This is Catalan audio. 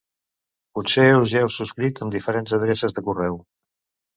Potser us hi heu subscrit amb diferents adreces de correu.